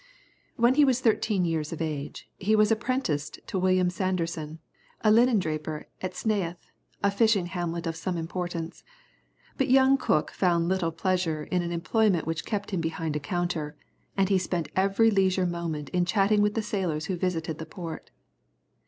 When he was thirteen years of age, he was apprenticed to William Sanderson, a linendraper at Snaith, a fishing hamlet of some importance. But young Cook found little pleasure in an employment which kept him behind a counter, and he spent every leisure moment in chatting with the sailors who visited the port.